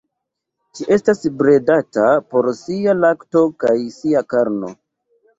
Ĝi estas bredata por sia lakto kaj sia karno.